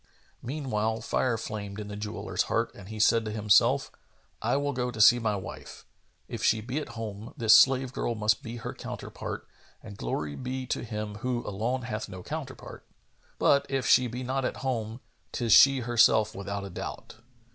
Meanwhile, fire flamed in the jeweller's heart and he said to himself, "I will go see my wife. If she be at home, this slave girl must be her counterpart, and glory be to Him who alone hath no counterpart! But, if she be not at home, 'tis she herself without a doubt."